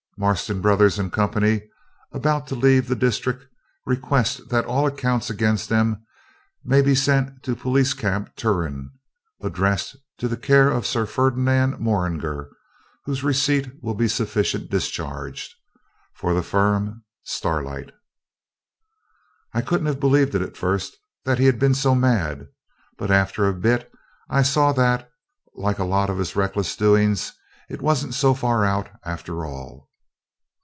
Marston Brothers and Co., being about to leave the district, request that all accounts against them may be sent to the Police Camp, Turon, addressed to the care of Sir Ferdinand Morringer, whose receipt will be a sufficient discharge. For the firm, Starlight. I couldn't have believed at first that he'd be so mad. But after a bit I saw that, like a lot of his reckless doings, it wasn't so far out after all.